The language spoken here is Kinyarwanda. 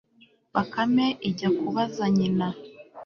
bakame ijya kubaza nyina